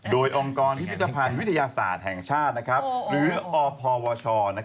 โดยองค์กรวิทยาศาสตร์แห่งชาติหรืออพวช